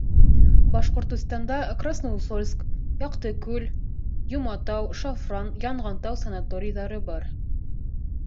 Башҡортостанда Красноусольск, Яҡтыгүл, Йоматау, Шафран, Янғантау санаторийҙары бар.